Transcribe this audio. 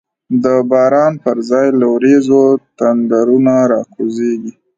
د باران پر ځای له وریځو، تندرونه را کوزیږی